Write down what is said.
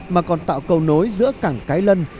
mà còn tạo cầu nối giữa cảng cái lân